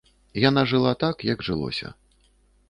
Яна жыла так як жылося.